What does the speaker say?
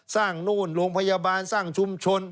สร้างโรงพยาบาลสร้างชุมชน